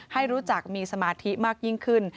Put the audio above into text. ให้รู้จักมีสมาธิมากยิ่งขึ้น